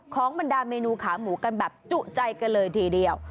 บรรดาเมนูขาหมูกันแบบจุใจกันเลยทีเดียว